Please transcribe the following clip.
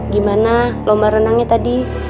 gimana lomba renangnya tadi